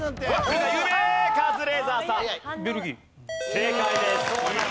正解です。